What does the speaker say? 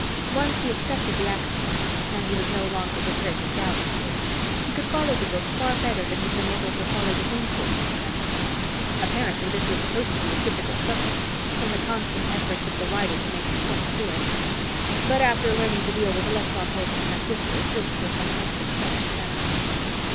Once he accepted the axiom and he was no longer prepared to doubt it here he could follow the book far better than he'd been able to follow his own course in semantics. Apparently this was supposed to be a difficult subject, from the constant efforts of the writer to make his point clear. But after learning to deal with electron holes in transistors, this was elementary study for Hanson.